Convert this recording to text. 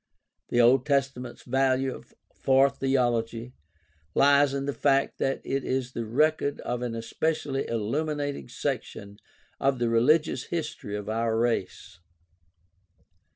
The Old Testament's value for theology lies in the fact that it is the record of an especially illuminating section of the religious history of our race.